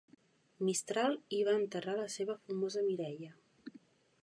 Mistral hi va enterrar la seva famosa Mireia.